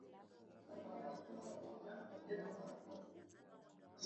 familia ilitunza ujumbe huo kwa miaka mia moja